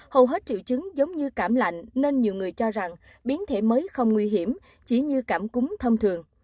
hầu hết triệu chứng giống như cảm lạnh nên nhiều người cho rằng biến thể mới không nguy hiểm chỉ như cảm cúm thông thường